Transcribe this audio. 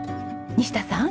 西田さん。